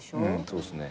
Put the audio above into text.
そうっすね。